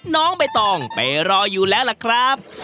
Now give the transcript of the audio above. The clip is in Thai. น้องใบตองไปรออยู่แล้วล่ะครับ